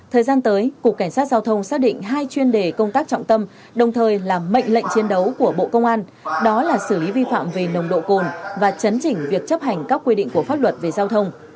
thời gian tới cục cảnh sát giao thông xác định hai chuyên đề công tác trọng tâm đồng thời là mệnh lệnh chiến đấu của bộ công an đó là xử lý vi phạm về nồng độ cồn và chấn chỉnh việc chấp hành các quy định của pháp luật về giao thông